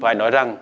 phải nói rằng